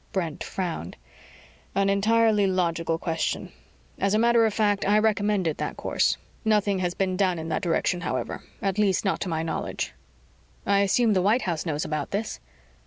Brent frowned. "An entirely logical question. As a matter of fact, I recommended that course. Nothing has been down in that direction, however. At least, not to my knowledge." "I assume the White House knows about this."